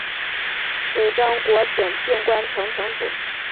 尾张国井关城城主。